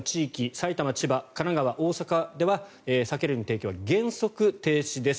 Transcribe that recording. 埼玉、千葉、神奈川、大阪では酒類の提供は原則停止です。